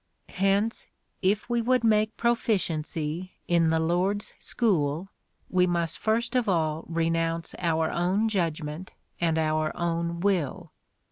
Hence, if we would make pro ficiency in the Lord's school, we must first of all renounce our own judgment and our own will.